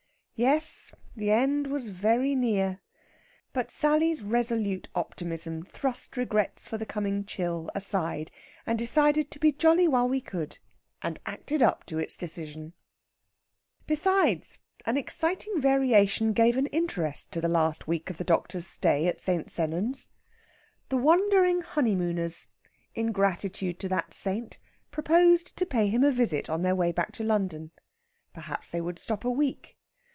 Yes, the end was very near. But Sally's resolute optimism thrust regrets for the coming chill aside, and decided to be jolly while we could, and acted up to its decision. Besides, an exciting variation gave an interest to the last week of the doctor's stay at St. Sennans. The wandering honeymooners, in gratitude to that saint, proposed to pay him a visit on their way back to London. Perhaps they would stop a week.